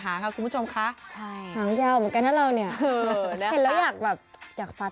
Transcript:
แบบอยากฟัดเนอะมันน่ารักอะ